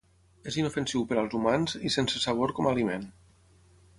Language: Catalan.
És inofensiu per als humans i sense sabor com a aliment.